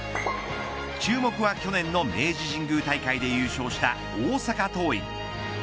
注目は去年の明治神宮大会で優勝した大阪桐蔭。